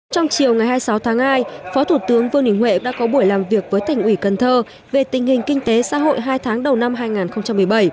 trong chiều ngày hai mươi sáu tháng hai phó thủ tướng vương đình huệ đã có buổi làm việc với thành ủy cần thơ về tình hình kinh tế xã hội hai tháng đầu năm hai nghìn một mươi bảy